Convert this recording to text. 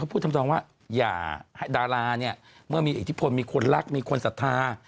พูดทำนองว่าอย่าให้ดาราเนี่ยเมื่อมีอิทธิพลมีคนรักมีคนศรัทธา